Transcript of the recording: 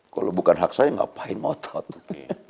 kalau bukan hak saya ngapain mau tau tuh